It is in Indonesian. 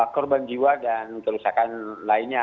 korban jiwa dan kerusakan lainnya